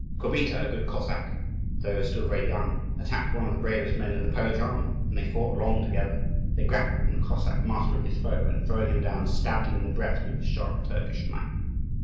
Kobita, a good Cossack, though still very young, attacked one of the bravest men in the Polish army, and they fought long together. They grappled, and the Cossack mastering his foe, and throwing him down, stabbed him in the breast with his sharp Turkish knife.